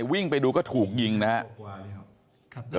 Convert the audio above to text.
วิ่งไปดูก็ถูกยิงนะครับ